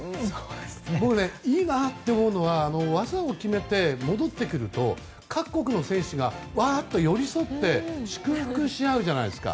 僕、いいなって思うのは技を決めて戻ってくると各国の選手がわーっと寄り添って祝福し合うじゃないですか。